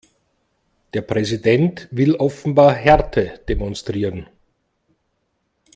Der Präsident will offenbar Härte demonstrieren.